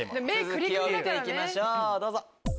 続きを見て行きましょうどうぞ。